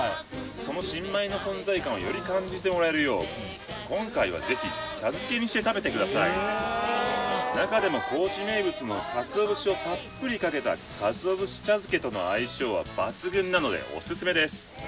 その新米の存在感をより感じてもらえるよう今回はぜひ茶漬けにして食べてください中でも高知名物の鰹節をたっぷりかけた鰹節茶漬けとの相性は抜群なのでオススメです